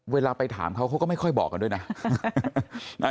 เวลาไปถามเขาเขาก็ไม่ค่อยบอกกันด้วยนะ